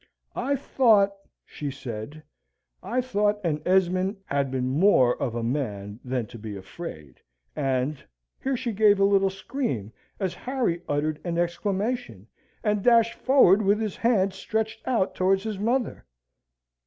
"I thought," she said, "I thought an Esmond had been more of a man than to be afraid, and " here she gave a little scream as Harry uttered an exclamation, and dashed forward with his hands stretched out towards his brother.